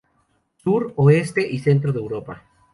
Sur, oeste y centro de Europa.